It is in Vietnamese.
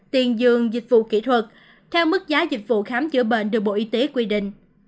tiền dường dịch vụ kỹ thuật theo mức giá dịch vụ khám chữa bệnh được bộ y tế quy định